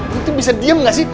lu tuh bisa diam gak sih